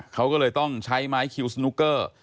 เขาก็เลยต้องใช้ไม้คิวสนุกเกอร์